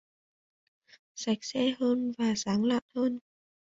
Sạch sẽ hơn và sáng lạng hơn